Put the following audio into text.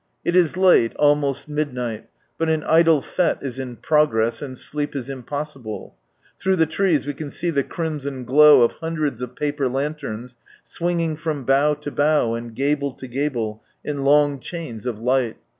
—It is late, almost midnight, but an idol fSte is in progress, and sleep is impossible; Through the trees we can see the crimson glow of hundreds of paper lanterns swing ing from bough to bough, and gable to gable, in long chains of light.